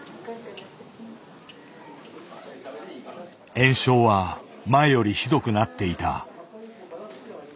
炎症は前よりひどくなっていた。